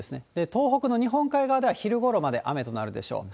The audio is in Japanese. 東北の日本海側では、昼ごろまで雨となるでしょう。